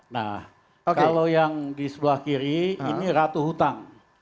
nah kalau yang di sebelah kiri ini ratu hutang